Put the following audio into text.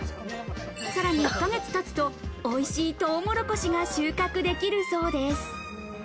さらに１か月経つとおいしいトウモロコシが収穫できるそうです。